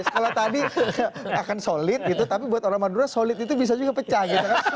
kalau tadi akan solid gitu tapi buat orang madura solid itu bisa juga pecah gitu kan